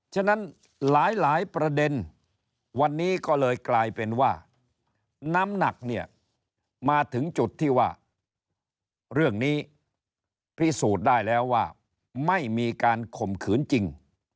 ฉะนั้นหลายประเด็นวันนี้ก็เลยกลายเป็นว่าน้ำหนักเนี่ยมาถึงจุดที่ว่าเรื่องนี้พิสูจน์ได้แล้วว่าไม่มีการข่มขืนจริง